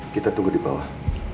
kita tunggu di bawah